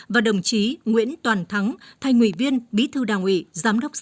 và đồng chí nguyễn toàn thắng thành ủy viên bí thư đảng ủy giám đốc sở tài nguyên